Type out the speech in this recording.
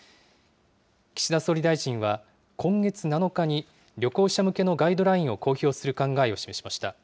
岸田総理大臣は、今月７日に、旅行者向けのガイドラインを公表する考えを示しました。